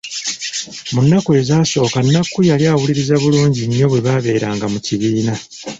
Mu nnaku ezasooka, Nnakku yali awuliriza bulungi nnyo bwe baabeeranga mu kibiina.